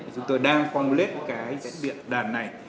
chúng tôi đang phong lết cái diễn đạt này